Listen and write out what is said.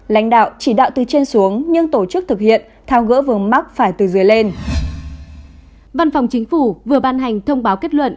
lãnh đạo chỉ đạo từ trên xuống nhưng tổ chức thực hiện thao gỡ vườn mắt phải từ dưới lên